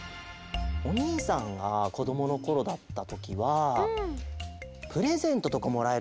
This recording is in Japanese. お兄さんがこどものころだったときはプレゼントとかもらえるときうれしいな。